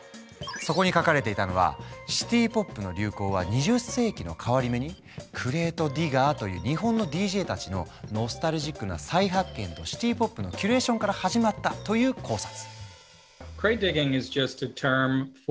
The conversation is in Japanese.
そこに書かれていたのはシティ・ポップの流行は２０世紀の変わり目にクレートディガーという日本のＤＪたちのノスタルジックな再発見とシティ・ポップのキュレーションから始まったという考察。